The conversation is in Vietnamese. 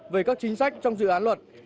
về các chính sách trong dự án luật